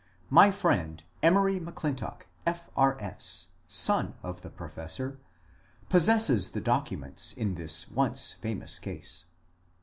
My friend Emory M'Clintock, F. R. S., son of the professor, pos sesses the documents in this once famous case.